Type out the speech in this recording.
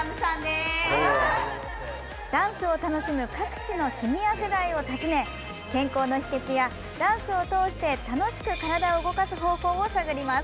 ダンスを楽しむ各地のシニア世代を訪ね健康の秘けつや、ダンスを通して楽しく体を動かす方法を探ります。